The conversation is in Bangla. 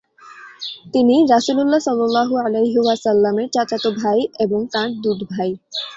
তিনি রাসূলুল্লাহ সাল্লাল্লাহু আলাইহি ওয়াসাল্লামের চাচাত ভাই এবং তাঁর দুধভাই।